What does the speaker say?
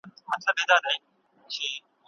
ټولنیز نهادونه د چلند د کنټرول یوه وسیله ده.